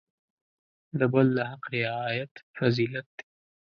د بل د حق رعایت فضیلت دی.